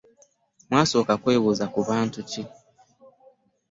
Mwasooka kwebuuza ku bantu ki?